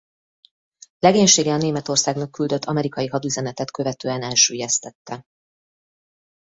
Legénysége a Németországnak küldött amerikai hadüzenetet követően elsüllyesztette.